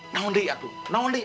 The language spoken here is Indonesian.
nah undi aku nah undi